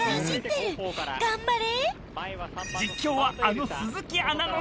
頑張れ！